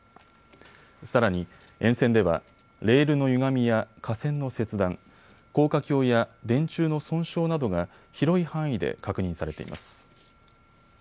さらに、沿線ではレールのゆがみや架線の切断、高架橋や電柱の損傷などが広い範囲で確認されています。